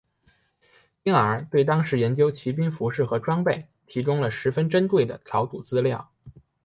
因而对研究当时骑兵服饰和装备提供了十分珍贵的考古资料。